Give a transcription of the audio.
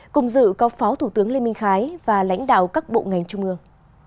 cùng dự có phó thủ tướng lê minh khái và lãnh đạo các bộ ngành trung ương